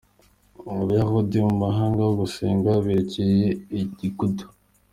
Abayahudi mu muhango wo gusenga berekeye igikuta.